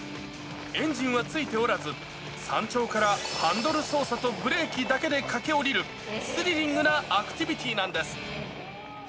エンジンは付いておらず、山頂からハンドル操作とブレーキだけで駆け下りる、スリリングなアクティビティーなんです。